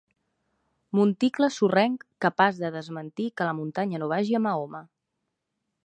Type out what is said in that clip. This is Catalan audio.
Monticle sorrenc capaç de desmentir que la muntanya no vagi a Mahoma.